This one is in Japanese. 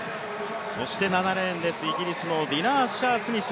７レーンです、イギリスのディナ・アッシャー・スミス。